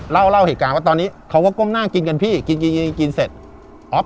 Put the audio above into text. เล่าเล่าเหตุการณ์ว่าตอนนี้เขาก็ก้มหน้ากินกันพี่กินกินเสร็จอ๊อฟ